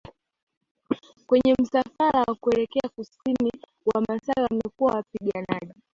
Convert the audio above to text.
Kwenye msafara wa kuelekea Kusini Wamasai wamekuwa Wapiganaji